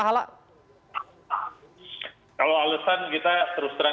kalau alasan kita terus terang